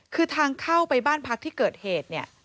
คือทางเข้าไปบ้านพักที่เกิดเหตุเนี่ย